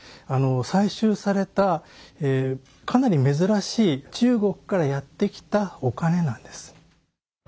採集されたかなり珍しい中国からやって来たお金なんです。